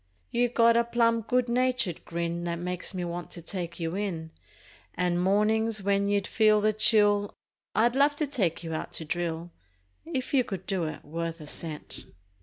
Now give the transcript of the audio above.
You got a plum good natured grin That makes me want to take you in And mornin's when you'd feel the chill I'd love to take you out to drill If you could do it worth a cent!